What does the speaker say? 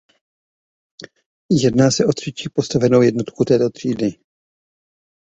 Jedná se o třetí postavenou jednotku této třídy.